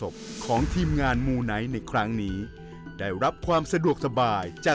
เป็นหมื่นกว่าชิ้นโอ้โฮ